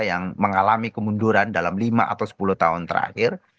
yang mengalami kemunduran dalam lima atau sepuluh tahun terakhir